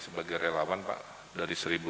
sebagai relawan uji klinis tahap tiga vaksin sinovac